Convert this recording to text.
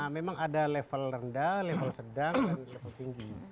memang ada level rendah level sedang dan level tinggi